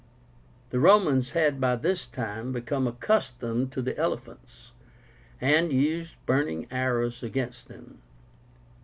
The Romans had by this time become accustomed to the elephants, and used burning arrows against them.